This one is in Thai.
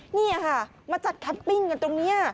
นี่ค่ะมาจัดแคปปิ้งกันตรงนี้